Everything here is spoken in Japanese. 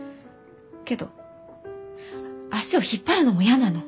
けど足を引っ張るのも嫌なの。